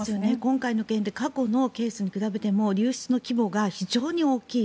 今回の件って過去のケースに比べても流出の規模が非常に大きい。